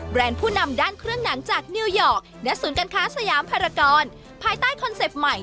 ผู้นำด้านเครื่องหนังจากนิวยอร์กและศูนย์การค้าสยามภารกรภายใต้คอนเซ็ปต์ใหม่